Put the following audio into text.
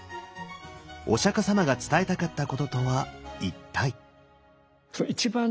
お釈様が伝えたかったこととは一体？